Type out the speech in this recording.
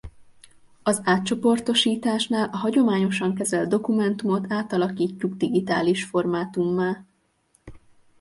Az átcsoportosításnál a hagyományosan kezelt dokumentumot átalakítjuk digitális formátummá.